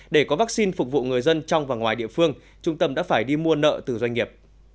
để có vaccine phục vụ người dân trong và ngoài địa phương trung tâm đã phải đi mua nợ từ doanh nghiệp